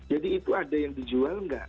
jadi itu ada yang dijual nggak